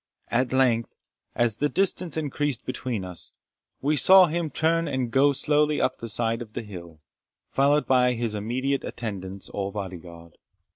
At length, as the distance increased between us, we saw him turn and go slowly up the side of the hill, followed by his immediate attendants or bodyguard.